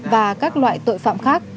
và các loại tội phạm khác